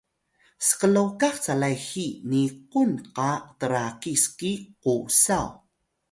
sklokah calay hi niqun qa trakis ki qusaw